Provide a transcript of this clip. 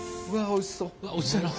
おいしそう。